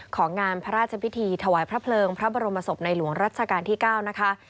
ของงานพระราชพิธีถวายพระเพลิงพระบรมศพในหลวงรัชกาลที่๙นะคะ